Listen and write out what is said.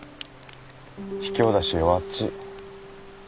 ひきょうだし弱っちい。